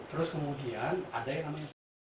terus kemudian ada yang